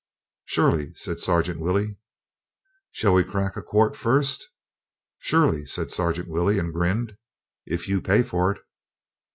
"Surely," said Sergeant Willey. "Shall we crack a quart first?" "Surely," said Sergeant Willey and grinned. "If you pay for it."